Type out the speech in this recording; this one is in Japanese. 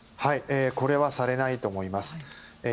これはされないと思います。